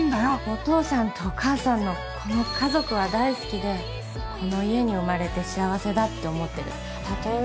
お父さんとお母さんのこの家族は大好きでこの家に生まれて幸せだって思ってるたとえ